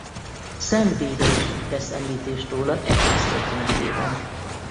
Szent Béda is tesz említést róla Egyháztörténetében.